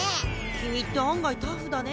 君って案外タフだね。